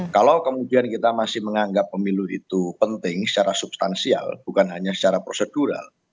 kalau kemudian kita masih menganggap pemilu itu penting secara substansial bukan hanya secara prosedural